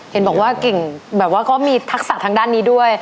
เห็นบอกว่าเก่งแบบว่าเขามีทักษะทางด้านนี้ด้วย